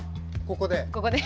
ここで？